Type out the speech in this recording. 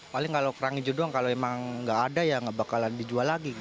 paling kalau kerang hijau doang kalau emang nggak ada ya nggak bakalan dijual lagi